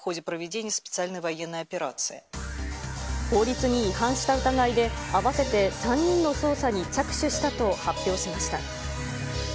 法律に違反した疑いで、合わせて３人の捜査に着手したと発表しました。